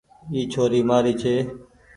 اي ڇوري مآري ڇي۔